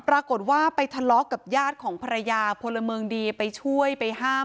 ปรากฏว่าไปทะเลาะกับญาติของภรรยาพลเมืองดีไปช่วยไปห้าม